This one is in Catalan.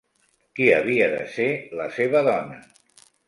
Qui havia de ser la seva dona?